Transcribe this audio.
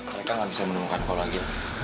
mereka tidak bisa menemukan kau lagi